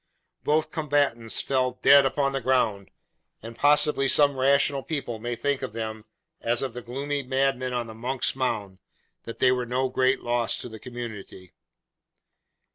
Both combatants fell dead upon the ground; and possibly some rational people may think of them, as of the gloomy madmen on the Monks' Mound, that they were no great loss to the community.